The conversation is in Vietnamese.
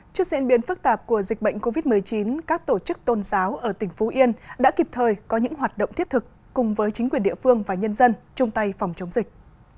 trước diễn biến phức tạp của dịch bệnh covid một mươi chín các tổ chức tôn giáo ở tỉnh phú yên đã kịp thời có những hoạt động thiết thực cùng với chính quyền địa phương và nhân dân chung tay phòng chống dịch